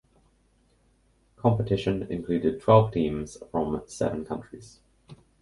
Competition included twelve teams from seven countries.